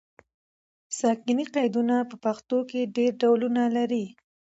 ساکني قیدونه په پښتو کې ډېر ډولونه لري.